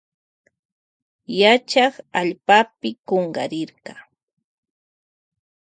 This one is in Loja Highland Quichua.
Yachak kunkurirka allpapi.